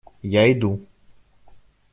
Я иду.